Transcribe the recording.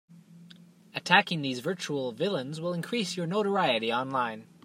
Attacking these virtual villains will increase your notoriety online.